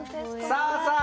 さあ